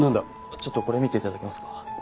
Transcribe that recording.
ちょっとこれ見て頂けますか？